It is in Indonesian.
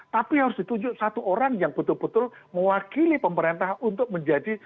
tapi harus ditunjuk satu orang yang betul betul mewakili pemerintah untuk menjadi